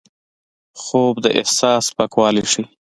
خوب د احساس پاکوالی ښيي